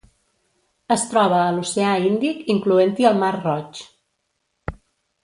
Es troba a l'Oceà Índic, incloent-hi el Mar Roig.